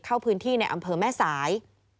เข้าพื้นที่ในอำเภอแม่สาย